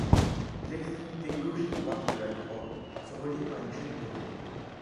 Les extrémités gauches et droites de la croix sont reliées par une chaîne dorée.